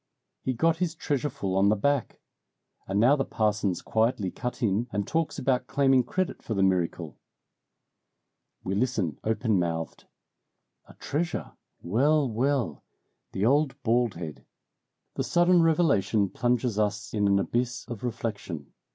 He got his treasure full on the back. And now the parson's quietly cut in and talks about claiming credit for the miracle." We listen open mouthed. "A treasure well! well! The old bald head!" The sudden revelation plunges us in an abyss of reflection.